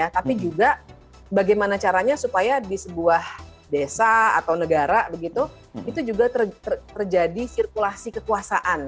tapi juga bagaimana caranya supaya di sebuah desa atau negara begitu itu juga terjadi sirkulasi kekuasaan